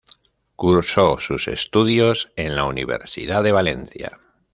Cursó sus estudios en la Universidad de Valencia.